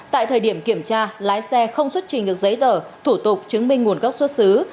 tại thời điểm kiểm tra lái xe không xuất trình được giấy tờ thủ tục chứng minh nguồn gốc xuất xứ